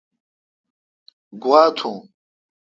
گوا تھون